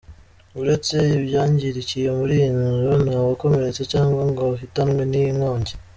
Uretse ibyangirikiye muri iyi nzu, nta wakomeretse cyangwa ngo ahitanwe n’iyi nkongi.